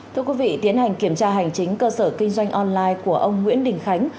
thưa quý vị tiến hành kiểm tra hành chính cơ sở kinh doanh online của ông nguyễn đình khánh